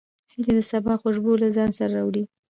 هیلۍ د سبا خوشبو له ځان سره راوړي